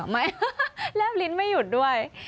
ไม่แล้วลิ้นไม่หยุดด้วย